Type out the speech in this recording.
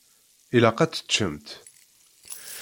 Ilaq ad teččemt.